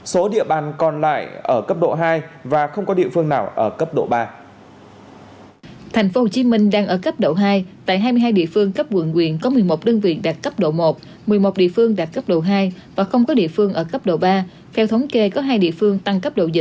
số địa bàn còn lại ở cấp độ hai và không có địa phương nào ở cấp độ ba